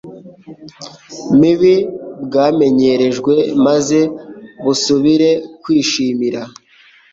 mibi bwamenyerejwe maze busubire kwishimira